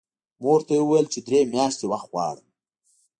مور ته یې وویل چې درې میاشتې وخت غواړم